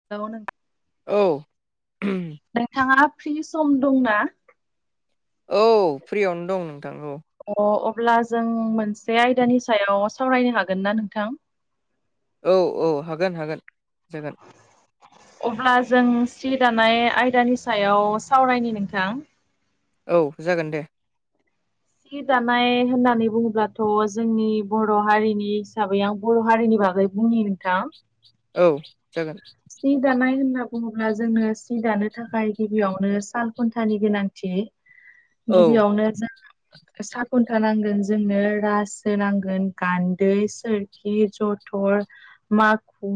[unintelligible] औ नोंथाङा फ्रि सम दंना औ फ्रियावनो दं नोंथां औ अ अब्ला जों मोनसे आयदानि सायाव सावरायनो हागोन ना नोंथां औ औ हागोन हागोन जागोन अब्ला जों सि दानाय आयदानि सायाव सावरायनि नोंथां औ जागोन दे सि दानाय होननानै बुङोब्लाथ' जोंनि बर' हारिनि हिसाबै आं बर' हारिनि बागै बुंनि नोंथां औ जागोन सि दानाय होनना बुङोब्ला जोंनो सि दानो थाखाय गिबियावनो साल खुन्थानि गोनांथि औ गिबियावनो जों साल खुन्था नांगोन जोंनो रासो नांगोन गान्दै सोरखि जथर माखु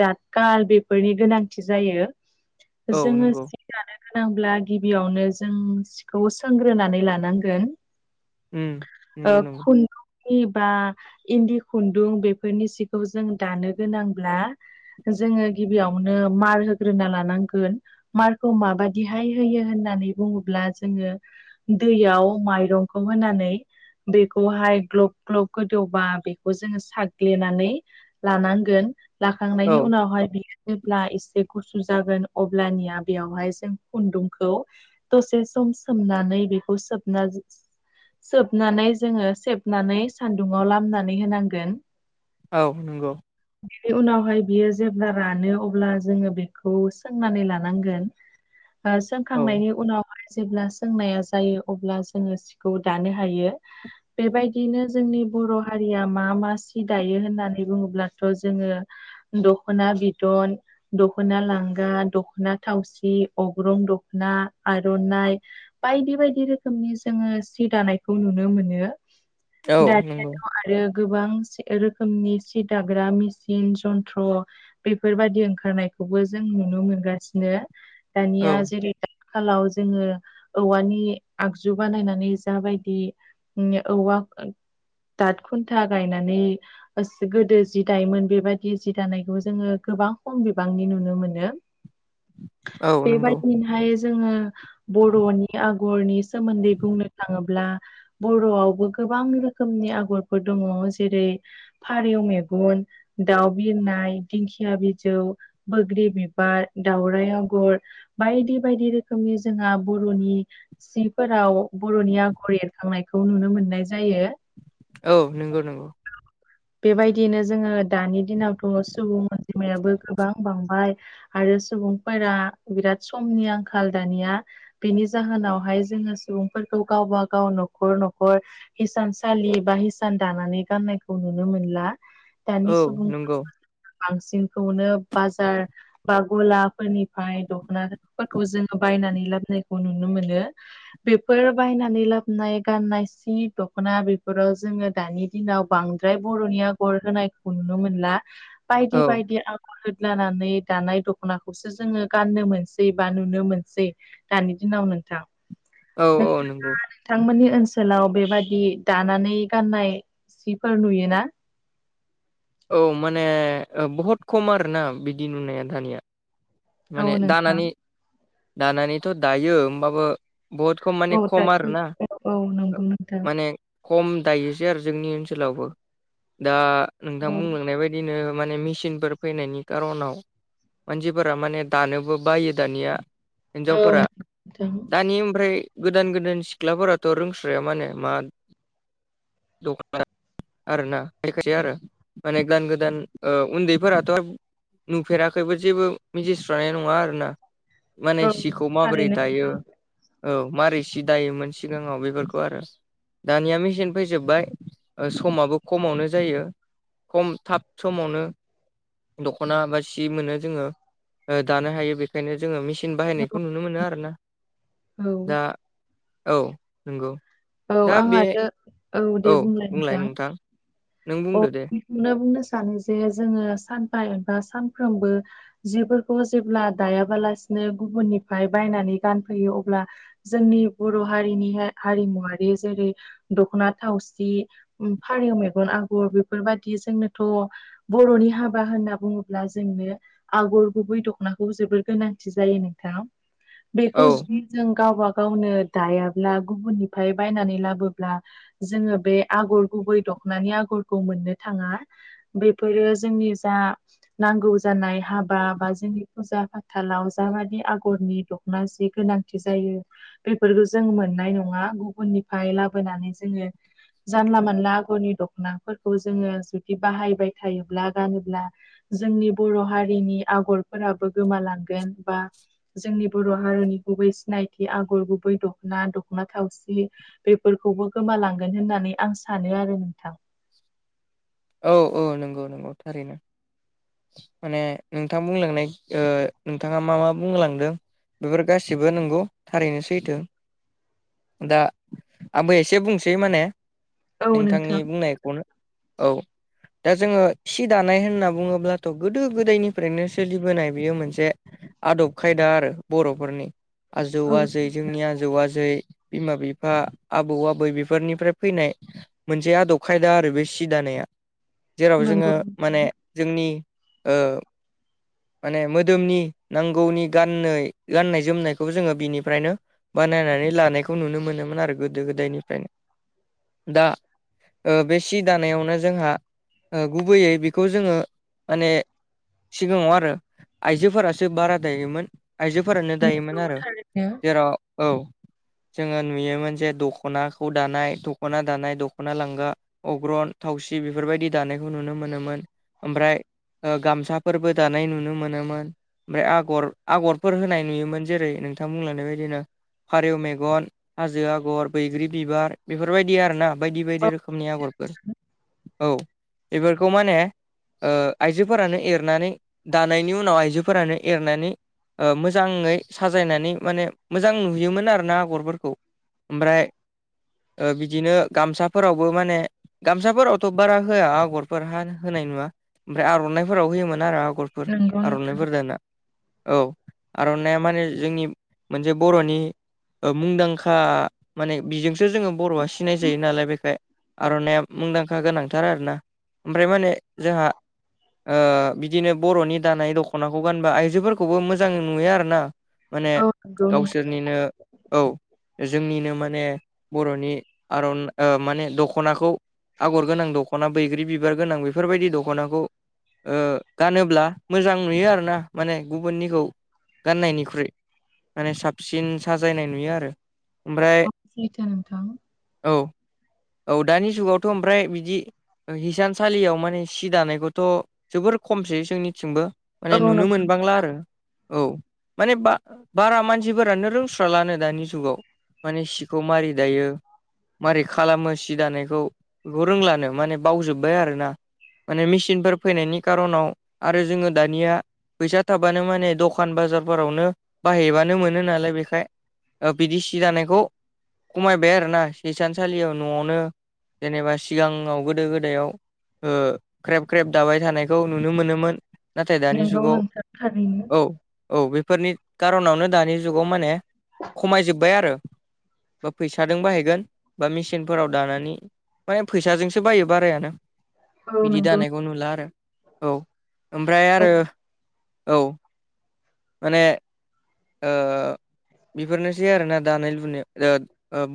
दादखाल बेफोरनि गोनांथि जायो औ जोङो नंगौ जि दानो गोनांब्ला गिबियावनो जों सिखौ सोंग्रोनानै लानांगोन उम ओ नंगौ नंगौ खुनदुं बा इन्दि खुन्दुं बेफोरनि सिखौ जों दानो गोनांब्ला जोङो गिबियावनो मार होग्रोना लानांगोन मारखौ माबादिहाय होयो होननानै बुङोब्ला जोङो दैयाव माइरंखौ होनानै बेखौहाय ग्लब ग्लब गोदौबा बेखौ जोङो साग्लिनानै लानांगोन लाखांनायनि औ उनावहाय बि जेब्ला एसे गुसु जागोन अब्लानिया बेवहाय जों खुन्दुंखौ दसे सम सोमनानै बेखौ सोबना सोबनानै जोङो सेबनानै सान्दुंङाव लामनानै होनांगोन औ नंगौ बिनि उनावहाय बियो जेब्ला रानो अब्ला जोङो बेखौ सोंनानै लानांगोन ओ औ सोंखांनायनि उनावहाय जेब्ला सोंनाया जायो अब्ला जोङो खौ दानो हायो बेबायदिनो जोंनि बर' हारिया मा मा सि दायो होननानै बुङोब्लाथ' जोङो दखना बिदन दख'ना लांगा, दख'ना थावसि, अग्रं दख'ना, आर'नाइ बायदि बायदि रोखोमनि जोङो सि दानायखौ नुनो मोनो औ नंगौ दानियाथ' आरो गोबां रोखोमनि सि दाग्रा मेसिन जन्थ्र बेफोरबायदि ओंखारनायखौबो जों नुनो मोनगासिनो दानिया औ जेरै दादखालाव जोङो औवानि आगजु बानायनानै जाबायदि औवा दाद खुन्था गायनानै गोदो जि दायोमोन बेबायदि जि दानायखौ जोङो गोबां खम बिबांनि नुनो मोनो। औ नंगौ बेबायदिनोहाय जोङो बर'नि आगरनि सोमोन्दै बुंनो ब्ला बर'आवबो गोबां रोखोमनि आगरफोर दङ जेरै फारौ मेगन दाउ बिरनाय, दिंखिया बिजौ, बोग्रि बिबार, दाउराइ आगर बायदि बायदि रोखोमनि जोंहा बर'नि सिफोराव। बर'नि आगर एरखांनायखौ नुनो मोननाय जायो। औ नंगौ नंगौ। औ। बेबायदियैनो जोङो दानि दिनावथ' सुबुं अनजिमायाबो गोबां बांबाय आरो सुबुंफोरा बिराद समनि आंखाल दानिया बेनि जाहोनावहाय जोङो सुबुंफोरखौ गावबा गाव न'खर न'खर हिसान सलि बा हिसान दानानै गाननायखौ नुनो मोनला दानि औ नंगौ सुबुंफोरखौ बांसिनखौनो बाजार बा गलाफोरनिफ्राय दख'नाफोरखौ जोङो बायनानै लाबोनायखौ नुनो मोनो। फोर बायनानै लाबोनाय गाननाय सि दख'ना बेफोराव जोङो दानि दिनाव बांद्राय बर'नि आगर होनायखौ नुनो मोनला औ बायदि बायदि आगर होदलानानै दानाय दख'नाखौसो जोङो गाननो मोनसै बा नोनो मोनसै दानि दिनाव नोंथां औ औ नंगौ नोंथाङा बिथांमोननि ओनसोलाव बेबादि दानानै गाननाय सिफोर नोयो ना औ माने बहुद खम आरोना बिदि नोनाया दानिया माने औ नोंथां दानानै दानानैथ' दायो होमबाबो बहुद खम माने औ खम दासो आरोना औ औ नंगौ नोंथां माने खम दायोसै आरो जोंनि ओनसोलावबो दा नोंथां औ बुंलांनाय बायदि बिदिनो माने मेसिनफोर फैनायनि खारनाव मानसिफोरा माने दानोबो बायो दानिया औ हिनजावफोरा नोंथां दानि ओमफ्राय गोदान गोदान सिख्लाफोराथ' रोंस्राया माने मा दखना आरोना खायसेया आरो माने गोदान गोदान उन्दैफोराथ' [unintelligible] नोफेराखैबो जेबो मिथिस्रानाय नङा आरोना माने औ सिखौ माबोरै थारैनो दायो। नोंथां औ मारै सि दायोमोन सिगाङाव बेफोरखौ आरो दानिया मेसिन फैजोबबाय समाबो खमावनो जायो खम थाब समावनो दख'ना बा सि मोनो जोङो दानो हायो बेनिखायनो जोङो मेसिन [unintelligible] बाहायनायखौ नुनो मोनो आरो ना औ दा औ नंगौ औ दा आं बे आरो औ दे बुंलाय नोंथां नों औ। बुंदो दे बेखौनो बुंनो सानो जे जोङो सानफा एबा सानफ्रोमबो जिफोरखौ जेब्ला दायाबालासिनो गुबुननिफ्राय बायनानै गानफैयो अब्ला जोंनि बर' हारिनि हारिमुवारि जेरै दख'ना थावसि फारौ मेगन आगर बेफोरबायदि जोंनोथ' बर'नि हाबा होनना बुङोब्ला जोंनो आगर गुबै दख'नाखौ जोबोर गोनांथि जायो नोंथां बेखौ औ जुदि जों गावबा गावनो दायाब्ला गुबुननिफ्राय बायनानै लाबोब्ला जोङो बे आगर गुबै दख'नानि आगरखौ मोननो थाङा बेफोरो जोंनि जा नांगौ जानाय हाबा बा जोंनि फुजा फाथालाव जाबादि आगरनि दं जि गोनांथि जायो बेफोरखौ जों मोननाय नङा गुबुन निफ्राय लाबोनानै जोङो जानला मानला आगरनि दख'नाफोरखौ जोङो जुदि बाहायबाय थायोब्ला गानोब्ला जोंनि बर' हारिनि आगरफोराबो गोमालांगोन बा जोंनि बर' हारिनि गुबै सिनायथि आगर गुबै दख'ना दखना थावसि बेफोरखौबो गोमालांगोन होननानै आं सानो आरो नोंथां औ औ नंगौ नंगौ थारैनो माने नोंथाङा बुंलांनाय नोंथाङा मा मा बुंलांदों बेफोर गासैबो नंगौ थारैनो सैथो। दा आंबो एसे बुंसै माने औ नोंथांनि नोंथां बुंनायखौनो। औ। दा जोङो सि दानाय होनना बुङोब्लाथ' गोदो गोदायनिफ्रायनो सोलिबोनाय बेयो मोनसे आदब खायदा आरो बर'फोरनि आजौ औ आजै सैथो जोंनि आजौ आजै बिमा बिफा आबौ आबै बेफोरनिफ्राय फैनाय मोनसे आदब खायदा आरो बे सि दानाया जेराव जोङो नंगौ माने नोंथां। जोंनि माने मोदोमनि नांगौनि गान गाननाय जोमनायखौबो जोङो बिनिफ्रायनो बानायनानै लानायखौ नुनो मोनोमोन आरो गोदो गोदायनिफ्रायनो दा बेसे दानायावनो जोंहा गुबैयै बेखौ जोङो माने सिगाङाव आरो आइजोफोरासो बारा दायोमोन। आइजोफोरानो दायोमोन नंगौ आरो थारैनो। जेराव औ जोङो नुयोमोन जे दख'नाखौ दानाय दख'ना दानाय दख'ना लांगा अग्रन थावसि बेफोरबायदि दानायखौ नुनो मोनोमोन ओमफ्राय गामसाफोरबो दानाय नुनो मोनोमोन। ओमफ्राय आगर आगरफोर होनाय नुयोमोन जेरै नोंथां बुंलांनायबायदिनो फारिौ मेगन हाजो आगर बैग्रि बिबार बेफोरबायदि आर ना बायदि औ बायदि रोखोम औ बेफोरखौ माने आइजोफोरानो एरनानै दानायनि उनाव आइजोफोरानो एरनानै मोजाङै साजायनानै माने मोजां नुयोमोन आर ना आगरफोरखौ ओमफ्राय बिदिनो गामसाफोरावबो माने गामसाफोरावथ' बारा होआ आगरफोर ह होनाय नुवा ओमफ्राय आर'नाइफोराव होयोमोन आरो आगर फोरफोर नंगौ नोंथां। आर'नाइफोर दाना औ आर'नानायइा माने जोंनि मोनसे बर'नि मुंदांखा माने बिजोंसो जोङो बर'आ सिनाय जायो नालाय बेखाय आर'नाइया मुंदांखा गोनांथार आरोना ओमफ्राय माने जोंहा बिदिनो बर'नि दानाय दख'नाखौ गानबा आइजोफोरखौबो मोजां नुयो आर ना माने औ नंगौ नोंथां गावसोरनिनो औ जोंनिनो माने बर'नि आर'नाइ माने दख दख'नाखौ आगर गोनां दख'ना बैग्रि बिबार गोनां बेफोरबायदि दख'नाखौ गानोब्ला मोजां नुयो आर ना माने गुबुननिखौ गाननायनिख्रुइ माने साबसिन साजायनाय नुयो आरो ओमफाय औ सैथो नोंथां। औ। औ दानि जुगावथ' ओमफ्राय बिदि हिसानसालियाव माने सि दानायखौथ' जोबोर खमसै जोंनिथिंबो माने औ नुनो नंगौ मोनबांला आरो औ माने ब बारा मानसिफोरानो रोंस्राालानो दानि जुगाव माने सिखौ मारै दायो मारै खालामो सि दानायखौ बेखौ रोंलानो माने बावजोबबाय आरोना। माने मेचिनफोर फैनायनि खारनाव आरो जोङो दानिया फैसा थाबानो माने दखान बाजारफोरावनो बाहैबानो मोनो नालाय बेखाय बिदि सि दानायखौ खमायबाय आरोना हिसान थसालियाव न'आवनो जेनेबा सिगाङाव गोदो गोदायाव ख्रेब ख्रेब दाबाय थानायखौ नुनो मोनोमोन। नाथाय दानि नंगौ जुगाव नोंथां थारैनो। औ। औ बेफोरनि खारनावनो दानि जुगाव माने खमायजोबबाय आरो। बा फैसादों बायहैगोन। बा मेसिनफोराव दानानै माने फैसाजोंसो बायो बारायानो औ बिदि नंगौ। दानायखौ नुला आरो औ ओमफ्राय औ आरो औ। माने बेफोरनोसै आरोना दानाय लुनाय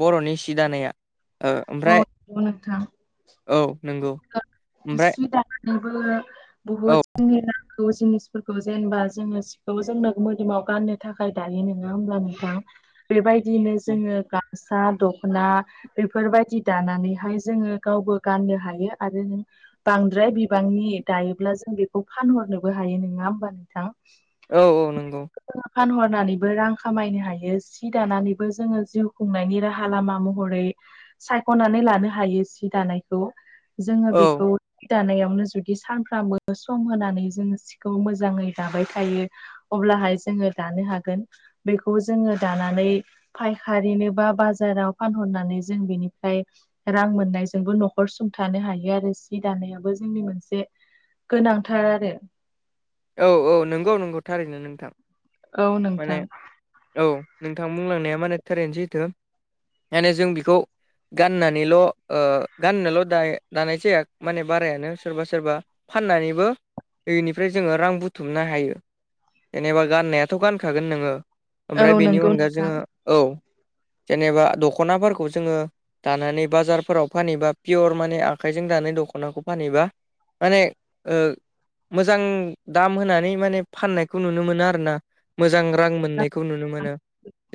बर'नि सि दानाया ओ ओमफ्राय औ नोंथां। औ नंगौ ओमफ्राय सि दानायनिबो औ बुहुद जोंनि जिनिसफोरखौ जेनेबा जोङो सिखौ जोंनो मोदोमाव गाननो थाखाय दायो नङा होमबा नोंथां। बेबायदिनो जोङो गामसा दखना बे फोरबायदि दानानैहाय जोङो गावबो गाननो हायो आरो बांद्राय बिबांनि दायोब्ला जों बेखौ फानहरनोबो हायो नङा होमबा नोंथां। औ औ नंगौ। फानहरनानैबो रां खामायनो हायो सि दानानैबो जोङो जिउ खुंनायनि राहा लामा महरै सायखनानै लानो हायो सि दानायखौ जोङो औ बिखौ सि दानायावनो जुदि सानफ्रामबो सम होनानै जोङो सिखौ मोजाङै दाबाय थायो। अब्लाहाय जोङो दानो हागोन बेखौ जोङो दानानै फायखारिनो बा बाजाराव फानहरनानै जोङो जों बेनिफ्राय रां मोननायजोंबो न'खर सुंथानो हायो आरो सि दानायाबो जोंनि मोनसे। गोनांथार आरो। औ औ नंगौ नंगौ थारैनो नोंथां। औ माने नोंथां। औ नोंथां बुंलांनाया माने थारैनोसैथो माने जों बेखौ। गाननानैल गाननोल दा दानाय जाया माने बारायानो सोरबा सोरबा। फाननानैबो दैनिफ्राय जोङो रां बुथुमनो हायो जेनेबा गाननायाथ गानखागोन नोङो। ओमफ्राय औ बेनि नंगौ अनगा नोंथां जोङो औ जेनेबा दखनाफोरखौ जोङो। दानानै बाजारफोराव फानहैबा पियर माने आखाइजों दानाय दखनाखौ फानहैबा माने मोजां दाम होनानै माने फाननायखौ नुनो मोनो आरो ना। मोजां रां मोननायखौ नुनो मोनो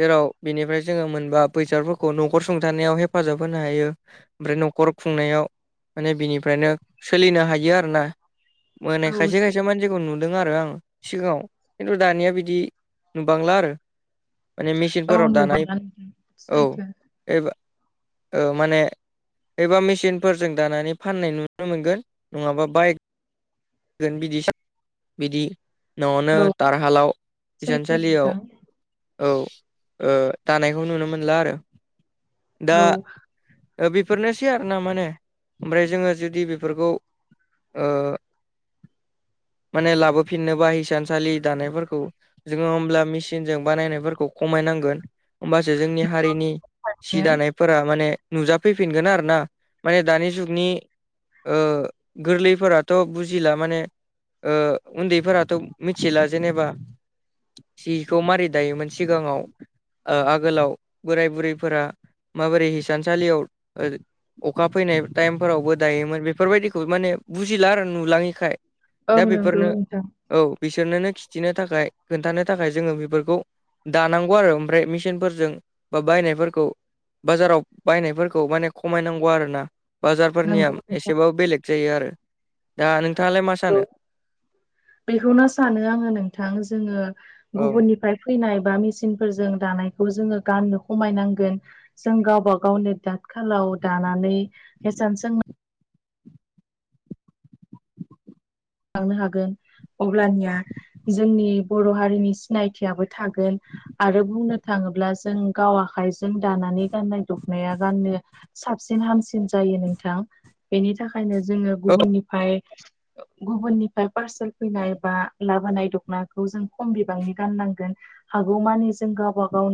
जेराव बेनिफ्राय जोङो मोनबा बेैसाादफोरखौ न'खर सुंथानायाव हेफाजाब होनो हायो। ओमफ्राय न'खर खुंनायाव माने बिनिफ्रायनो सोलिनो हायो आरो ना। माने खायसे औ खायसे मानसिखौ जायगायाव नुदों आरो आं सिगाङाव खिन्थु दानिया बिदि नुबांला आरो। माने औ मेचिनफोराव दानाय नुबाङा नोंथां औ सैथो एब ओ माने एबा मेसिनफोरजों दानानै फाननाय नुनो मोनगोन नङाबा बाय गोन बिदि बिदि न'आवनो औ दार हालाव सैथो हिसानसालियाव नोंथां औ दानायखौ नुनो मोनला आरो दा औ बेफोरनोसै आरो ना माने ओमफ्राय जोङो जुदि बेफोरखौ ओ माने लाबोफिननोबा हिसानसालि दानायफोरखौ जोङो होमब्ला मेसिनजों बानायनायफोरखौ खमायनांगोन होमबासो जोंनि हारिनि सि नो दानायफोरा माने नुजाफैफिनगोन आरो ना माने दानि जुगनि गोरलैफोराथ' बुजि बुजिला माने उन्दैफोराथ' मिथिला जेनेबा सिखौ मारै दायोमोन सिगाङाव ओ आगोलाव बोराय बुरैफोरा माबोरै हिसानसालियाव अखा फैनाय टाइमफोरावबो दायोमोन बेफोरबायदिखौ माने बुजिला आरो ना नुलाङैखाय औ दा नंगौ बेफोरनो नोंथां औ बिसोरनोनो खिथिनो थाखाय खोन्थानो थाखाय जोङो बेफोरखौ दानांगौ आरो ओमफ्राय मेचिनफोरजों बा बायनायफोरखौ बाजाराव बायनायफोरखौ माने खमायनांगौ आरोना। बाजारफोरनिया नंगौ नोंथां एसेबाबो बेलेग जायो आरो दा नोंथाङालाय मा औ सानो? बेखौनो सानो आङो नोंथां जोङो औ गुबुननिफ्राय फैनाय बा मेसिनफोरजों दानायखौ जोङो गाननो खमायनांगोन जों गावबा गावनि तात खालाव दानानै हिसान सोंनानै थांनो हागोन अब्लानिया जोंनि बर' हारिनि सिनायथियाबो थागोन आरो बुंनो थाङोब्ला जों गाव आखाइजों दानानै गाननाय दखनाया गाननो साबसिन हामसिन जायो नोंथां बेनि थाखायनो जोङो औ गुबुननिफ्राय गुबुननिफ्राय पार्सेल फैनाय बा लाबोनाय दख'नाखौ जों खम बिबांनि गाननांगोन हागौमानि जों गावबा गावनि